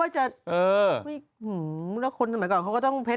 จริง